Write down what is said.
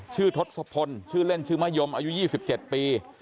ชื่อทศพลชื่อเล่นชื่อมะยมอายุยี่สิบเจ็ดปี